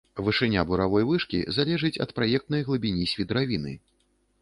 Вышыня буравой вышкі залежыць ад праектнай глыбіні свідравіны.